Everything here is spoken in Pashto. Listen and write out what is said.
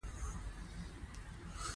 افغانستان د سیلابونه له مخې پېژندل کېږي.